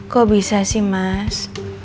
kok bisa sih mas